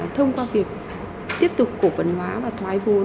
thông qua việc tiếp tục gia tăng những hàng hóa chất lượng cho thị trường chứng khoán